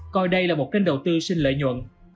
coi đây là một kênh đầu tư xin lợi nhuận